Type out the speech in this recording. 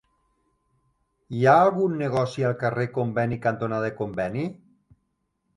Hi ha algun negoci al carrer Conveni cantonada Conveni?